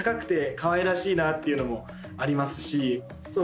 かわいらしいなっていうのもありますし。